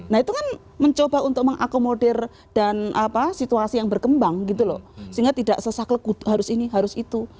nah itu kan mencoba untuk mengakomodir dan situasi yang berkembang gitu loh sehingga tidak sesak lekut harus ini harus itu